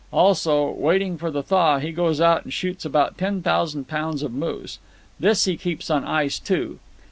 Also, waiting for the thaw, he goes out and shoots about ten thousand pounds of moose. This he keeps on ice, too.